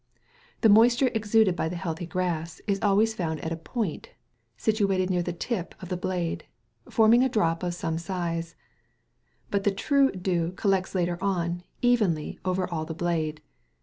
The moisture exuded by the healthy grass is always found at a point situated near the tip of the blade, forming a drop of some size; but the true dew collects later on evenly all over the blade.